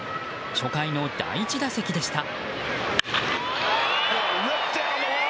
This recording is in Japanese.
初回の第１打席でした。